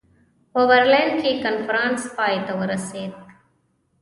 په برلین کې کنفرانس پای ته ورسېد.